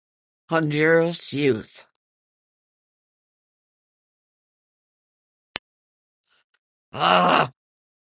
Honduras Youth